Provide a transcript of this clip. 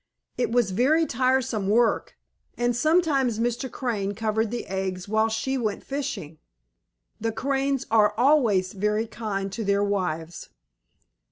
It was very tiresome work, and sometimes Mr. Crane covered the eggs while she went fishing. The Cranes are always very kind to their wives.